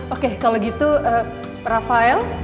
oke kalau gitu rafael